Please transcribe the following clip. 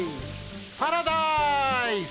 パラダイス！